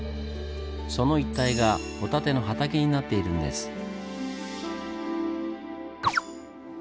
その一帯がホタテの畑になっているんです。